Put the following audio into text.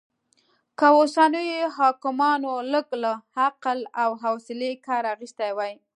که اوسنيو حاکمانو لږ له عقل او حوصلې کار اخيستی وای